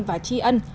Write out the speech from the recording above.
và chi ân